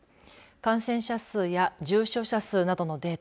感染者数や重症者数などのデータ